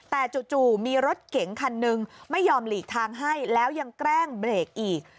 แต่จู่มีรถเก๋งคันหนึ่งไม่ยอมหลีกทางให้แล้วยังแกล้งเบรกอีก